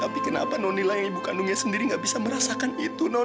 tapi kenapa nonnila yang ibu kandungnya sendiri nggak bisa merasakan itu non